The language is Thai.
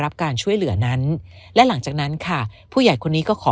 รับการช่วยเหลือนั้นและหลังจากนั้นค่ะผู้ใหญ่คนนี้ก็ขอ